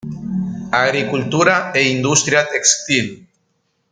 Agricultura e industria textil.